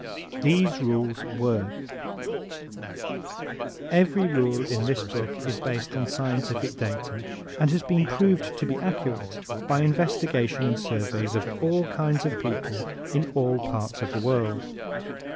These Rules Work ¶ Every rule in this book is based on scientific data, has been proved to be accurate by investigations and surveys of all kinds of people in all parts of the world.